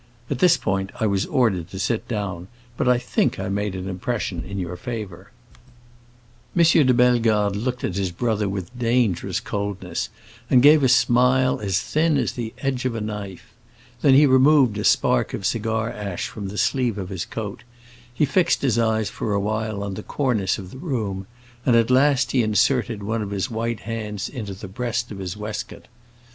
At this point I was ordered to sit down, but I think I made an impression in your favor." M. de Bellegarde looked at his brother with dangerous coldness, and gave a smile as thin as the edge of a knife. Then he removed a spark of cigar ash from the sleeve of his coat; he fixed his eyes for a while on the cornice of the room, and at last he inserted one of his white hands into the breast of his waistcoat.